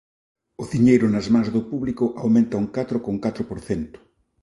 O diñeiro nas mans do público aumenta un catro con catro por cento